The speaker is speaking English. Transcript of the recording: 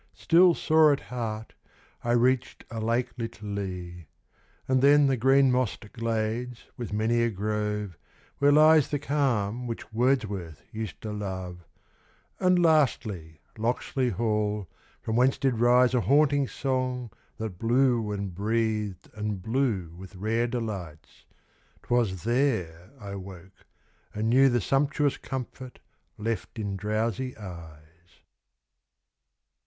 Still sore at heart, I reached a lake lit lea. And then the green mossed glades with many a grove, Where lies the calm which Wordsworth used to love, And, lastly, Locksley Hall, from whence did rise A haunting song that blew and breathed and blew With rare delights. 'Twas there I woke and knew The sumptuous comfort left in drowsy eyes.